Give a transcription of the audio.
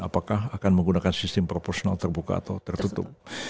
apakah akan menggunakan sistem proporsional terbuka atau tertutup